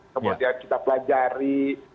kemudian kita pelajari